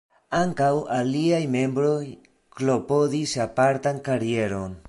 Ankaŭ aliaj membroj klopodis apartan karieron.